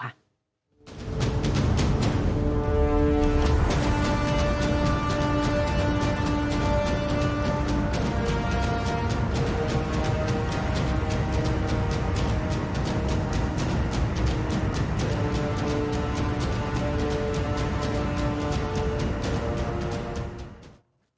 กล้องมือจอนปิด